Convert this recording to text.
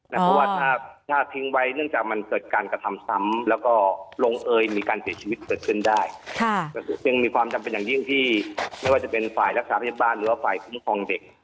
เพราะว่าถ้าทิ้งไว้เนื่องจากมันเกิดการกระทำซ้ำแล้วก็ลงเอยมีการเสียชีวิตเกิดขึ้นได้ซึ่งมีความจำเป็นอย่างยิ่งที่ไม่ว่าจะเป็นฝ่ายรักษาพยาบาลหรือว่าฝ่ายคุ้มครองเด็ก